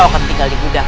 kau akan tinggal di gudang